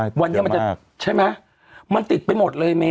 ใช่เดี๋ยวมากใช่ไหมมันติดไปหมดเลยเม